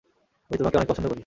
আমি তোমাকে অনেক পছন্দ করি।